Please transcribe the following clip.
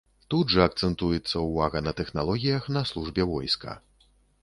Тут жа акцэнтуецца ўвага на тэхналогіях на службе войска.